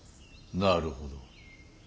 なるほど。